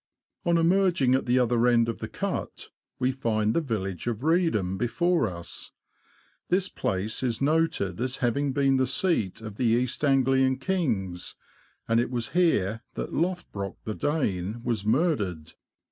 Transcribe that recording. On emerging at the other end of the Cut, we find the village of Reedham before us. This place is noted as having been the seat of the East Anglian kings, and it was here that Lothbrock the Dane was murdered.